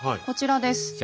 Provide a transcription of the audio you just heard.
こちらです。